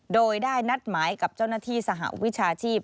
โดยได้นัดหมายกับเจ้าหน้าที่สหวิชาชีพ